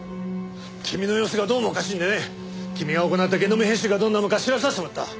君の様子がどうもおかしいんでね君が行ったゲノム編集がどんなものか調べさせてもらった。